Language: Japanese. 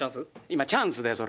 今チャンスだよ